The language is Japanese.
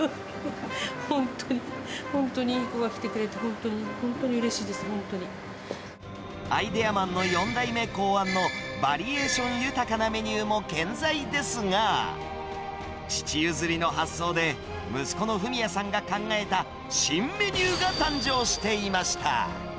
本当に、本当にいい子が来てくれて、本当に本当にうれしいです、アイデアマンの４代目考案のバリエーション豊かなメニューも健在ですが、父譲りの発想で、息子のふみやさんが考えた新メニューが誕生していました。